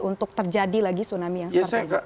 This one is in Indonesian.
untuk terjadi lagi tsunami yang seperti itu